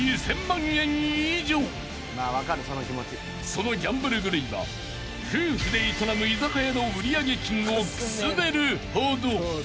［そのギャンブル狂いは夫婦で営む居酒屋の売上金をくすねるほど］